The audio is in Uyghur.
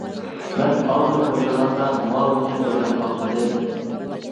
مەن ئاۋۇنى ئويلىغاندا، ماۋۇنى ئويلاپ باقمىدىم.